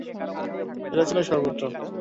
এটা ছিল সর্বত্র!